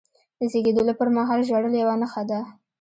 د زیږېدلو پرمهال ژړل یوه نښه ده.